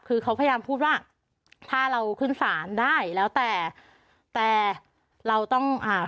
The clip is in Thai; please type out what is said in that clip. คือเขาพยายามพูดว่าถ้าเราขึ้นศาลได้แล้วแต่แต่แต่เราต้องอ่า